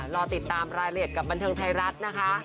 รอติดตามรายละเอียดกับบันเทิงไทยรัฐนะคะ